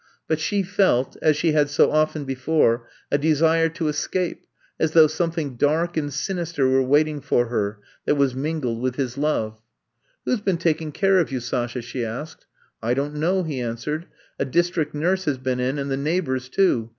But she felt, as she had so often before, a desire to escape, as though some thing dark and sinister were waiting for her that was mingled with his love. 154 I'VE COMB TO STAT Who 's been taking care of yon, Sashaf " she asked. ^^I don't know,'' he answered. A dis trict nnrse has been in and the neighbors, too.